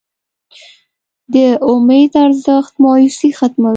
د امید ارزښت مایوسي ختموي.